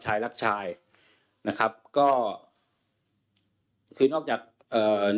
มีพฤติกรรมเสพเมถุนกัน